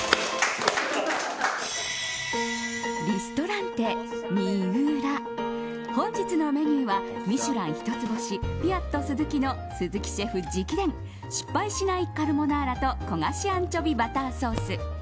リストランテＭＩＵＲＡ本日のメニューは「ミシュラン」一つ星ピアットスズキの鈴木シェフ直伝失敗しないカルボナーラと焦がしアンチョビバターソース。